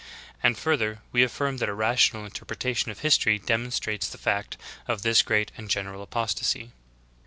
And further, we affirm that a rational interpretation of history demonstrates the fact of this great and general apostasy.